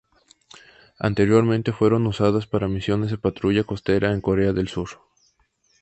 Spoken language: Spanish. Anteriormente fueron usadas para misiones de patrulla costera en Corea del Sur.